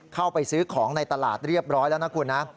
เข้าไปซื้อของในตลาดเรียบร้อยแล้วนะคุณนะ